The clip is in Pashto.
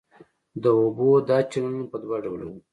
د اوبو دا چینلونه په دوه ډوله وو.